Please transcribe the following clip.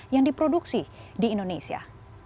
yang diproduksi di indonesia